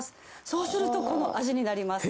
そうするとこの味になります。